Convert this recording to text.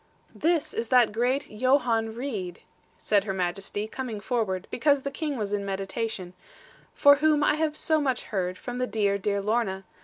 'This is that great Johann Reed,' said Her Majesty, coming forward, because the King was in meditation; 'for whom I have so much heard, from the dear, dear Lorna.